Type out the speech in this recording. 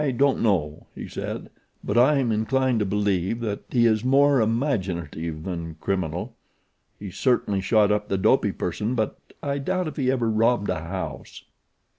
"I don't know," he said; "but I am inclined to believe that he is more imaginative than criminal. He certainly shot up the Dopey person; but I doubt if he ever robbed a house."